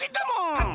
パパ！